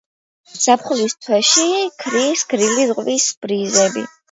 ზაფხულის თვეებში ქრის გრილი ზღვის ბრიზები.